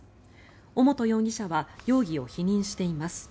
尾本容疑者は容疑を否認しています。